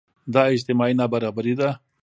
دا اجتماعي نابرابري ده.